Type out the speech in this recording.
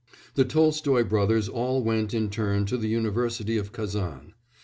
The Tolstoy brothers all went in turn to the university of Kazan.